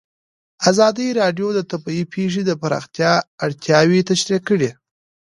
ازادي راډیو د طبیعي پېښې د پراختیا اړتیاوې تشریح کړي.